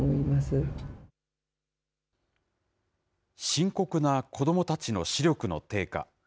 深刻な子どもたちの視力の低下。